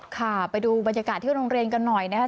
ค่ะไปดูบรรยากาศที่โรงเรียนกันหน่อยนะครับ